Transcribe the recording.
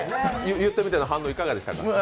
言ってみての反応いかがでしたか？